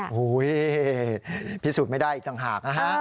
โอ้โหพิสูจน์ไม่ได้อีกต่างหากนะฮะ